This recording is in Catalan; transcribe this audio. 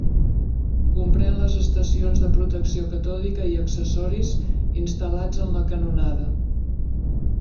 Comprén les estacions de protecció catòdica i accessoris instal·lats en la canonada.